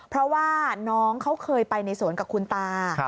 เพราะว่าน้องเขาเคยไปในสวนกับคุณตา